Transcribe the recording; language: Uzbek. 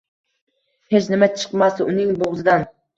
Hech nima chiqmasdi uning bo’g’zidan.